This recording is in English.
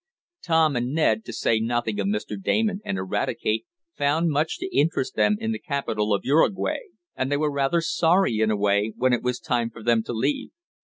Tom and Ned, to say nothing of Mr. Damon and Eradicate, found much to interest them in the capital of Uruguay, and they were rather sorry, in a way, when it was time for them to leave.